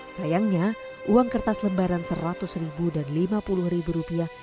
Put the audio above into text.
sayangnya uang kertas lembaran seratus ribu dan lima puluh ribu rupiah